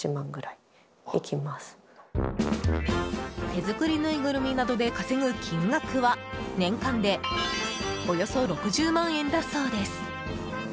手作りぬいぐるみなどで稼ぐ金額は年間でおよそ６０万円だそうです。